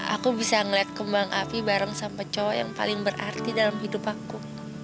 aku bisa ngeliat kembang api bareng sama peco yang paling berarti dalam hidup aku